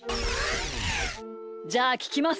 じゃあききます。